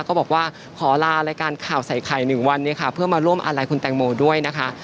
ก็บอกว่าขอลารายการข่าวใส่ไข่๑วันนี้ค่ะเพื่อมาร่วมอาลัยคุณแตงโมด้วยนะคะ